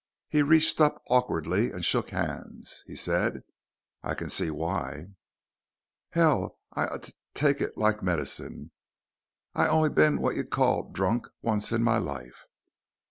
He reached up awkwardly and shook hands. He said, "I can see why." "Hell, I t take it like medicine. I only been what you'd call drunk once in my life.